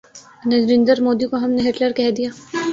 نریندر مودی کو ہم نے ہٹلر کہہ دیا۔